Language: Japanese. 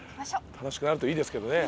楽しくなるといいですけどね。